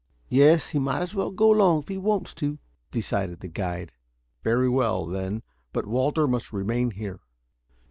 "Yes; he might as well go along, if he wants to," decided the guide. "Very well, then. But Walter must remain here."